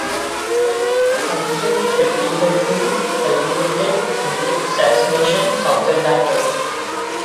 Conflict between the two culminated in the assassination of the latter.